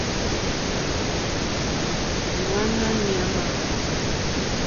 Hwánáá ɲàmà.